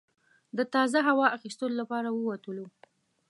د تازه هوا اخیستلو لپاره ووتلو.